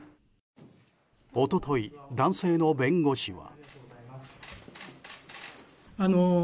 一昨日、男性の弁護士は。